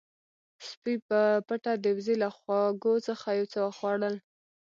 سپی په پټه د وزې له خواږو څخه یو څه وخوړل.